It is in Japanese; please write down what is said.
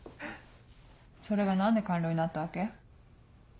それが何で官僚になったわけ？